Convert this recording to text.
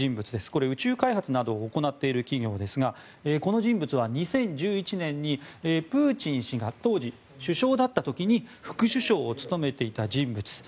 これは宇宙開発などを行っている企業ですがこの人物は２０１１年にプーチン氏が当時、首相だった時に副首相を務めていた人物。